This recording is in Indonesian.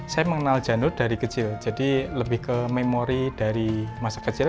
saya mengenal janur dari kecil jadi lebih ke memori dari masa kecil